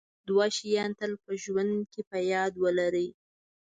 دوه شیان تل په ژوند کې په یاد ولرئ.